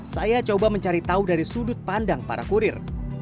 saya coba mencari tahu dari sudut pandang para kurir